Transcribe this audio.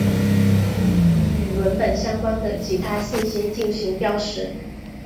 与文本相关的其他信息进行标识。